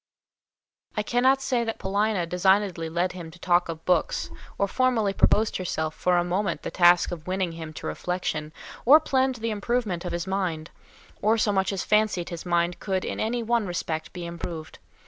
I cannot say that Paulina designedly led him to talk of books, or formally proposed to herself for a moment the task of winning him to reflection, or planned the improvement of his mind, or so much as fancied his mind could in any one respect be improved.